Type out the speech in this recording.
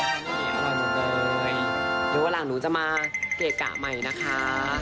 เดี๋ยวก็หลังหนูจะมาเกะกะใหม่นะคะ